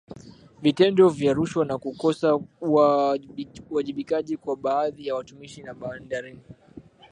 Vitendo vya rushwa na kukosa uwajibikaji kwa baadhi ya watumishi wa bandarini